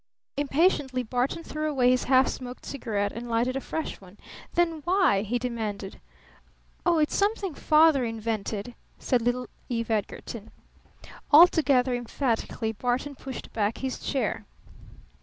Impatiently Barton threw away his half smoked cigarette and lighted a fresh one. "Then why?" he demanded. "Oh, it's something Father invented," said little Eve Edgarton. Altogether emphatically Barton pushed back his chair.